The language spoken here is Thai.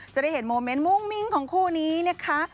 จะได้เห็นโมเมนต์มุ่งมิ้งของคู่นี้นะคะ